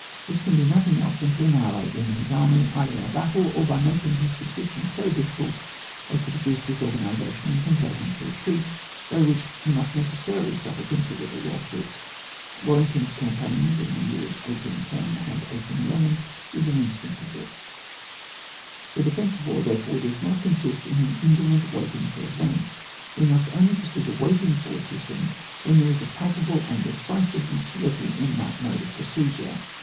This can be nothing else than to annihilate the enemy's army, either in a battle, or by makmg his sub sistence so dif&cult as to produce dis organisation and compel him to retreat, by which he must necessarily suffer con siderable losses. Wellington's campaign in the years 1810 and 1811 is cm instance of this. The defensive war, therefore, does not consist in an indolent waiting for events ; we must only pursue the waiting for system where there is a palpable and decisive utility in that mode of proce dure.